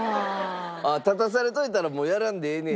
立たされといたらもうやらんでええねや。